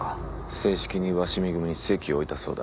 正式に鷲見組に籍を置いたそうだ。